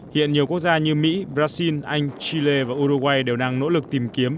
hiện nhiều quốc gia như mỹ brazil anh chile và uruguay đều đang nỗ lực tìm kiếm